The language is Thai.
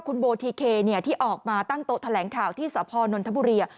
คุณโบทีเคที่ออกมาตั้งโต๊ะแถลงข่าวที่สพนนทบุรี